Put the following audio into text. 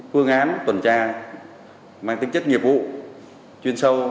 phương án tuần tra mang tính chất nghiệp vụ chuyên sâu